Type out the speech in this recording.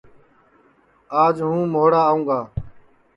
آج ہوں مھوڑا آوں گا